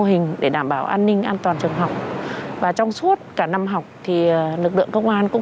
hình để đảm bảo an ninh an toàn trường học và trong suốt cả năm học thì lực lượng công an cũng